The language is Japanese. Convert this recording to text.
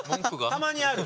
たまにある。